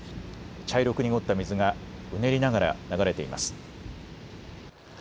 茶色く濁った水がうねりながら流れています。